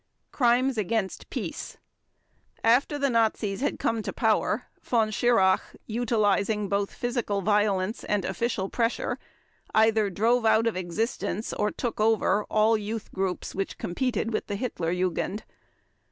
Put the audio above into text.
Crimes against Peace After the Nazis had come to power Von Schirach, utilizing both physical violence and official pressure, either drove out of existence or took over all youth groups which competed with the Hitler Jugend.